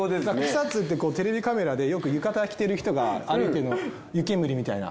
草津ってテレビカメラでよく浴衣着てる人が歩いてるの湯煙みたいな。